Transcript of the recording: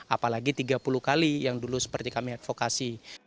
apalagi tiga puluh kali yang dulu seperti kami advokasi